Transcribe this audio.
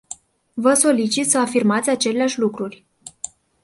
Vă solicit să afirmați aceleași lucruri.